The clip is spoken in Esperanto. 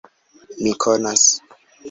Mi konas.